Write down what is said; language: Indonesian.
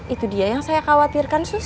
itu dia yang saya khawatirkan